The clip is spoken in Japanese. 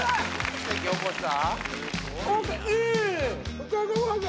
奇跡起こした？